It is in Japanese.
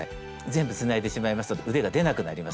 全部つないでしまいますと腕が出なくなりますので。